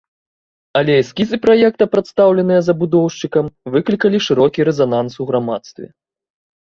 Але эскізы праекта, прадастаўленыя забудоўшчыкам, выклікалі шырокі рэзананс у грамадстве.